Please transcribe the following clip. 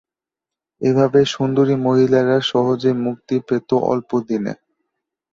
এভাবে সুন্দরী মহিলারা সহজেই মুক্তি পেত অল্প দিনে।